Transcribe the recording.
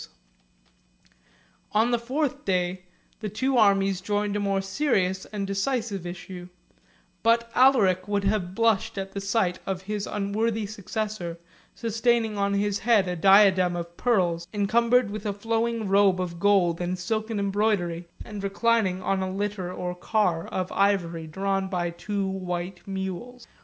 ] On the fourth day, the two armies joined a more serious and decisive issue; but Alaric would have blushed at the sight of his unworthy successor, sustaining on his head a diadem of pearls, encumbered with a flowing robe of gold and silken embroidery, and reclining on a litter, or car of ivory, drawn by two white mules.